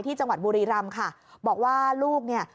จังหวัดบุรีรำค่ะบอกว่าลูกเนี่ย